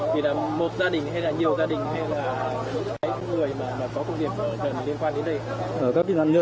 vì là một gia đình hay là nhiều gia đình hay là những cái người mà có công việc gần liên quan đến đây